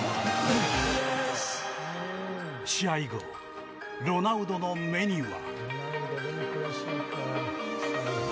試合後、ロナウドの目には。